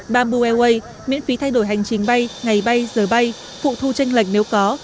bamboo airways miễn phí thay đổi hành trình bay ngày bay giờ bay phụ thu tranh lệch nếu có